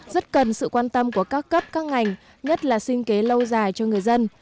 rất cần sự quan tâm của các cấp các ngành nhất là sinh kế lâu dài cho người dân